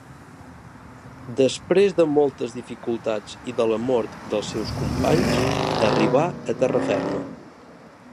Després de moltes dificultats i de la mort dels seus companys, arribà a terra ferma.